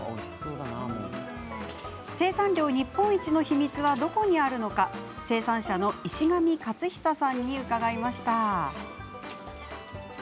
生産量日本一の秘密はどこにあるのか生産者の石神勝久さんに伺いました。